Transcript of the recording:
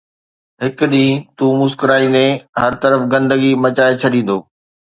هڪ ڏينهن تون مسڪرائيندين، هر طرف گندگي مچائي ڇڏيندو